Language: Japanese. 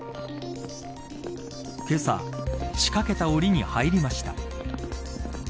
けさ、仕掛けたおりに入りました。